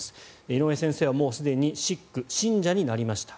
井上先生はもうすでに食口、信者になりました。